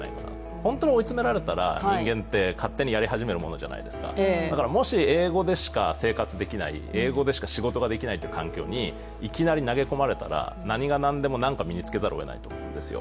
本当に追い詰められたら、人間って勝手にやり始めるものじゃないですかだからもし英語でしか生活できない英語でしか仕事ができないという環境にいきなり投げ込まれたら、何が何でも何か身につけざるをえないんですよ。